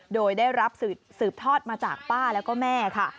โดยได้รับสืบทอดมาจากป้าแล้วก็แม่ค่ะ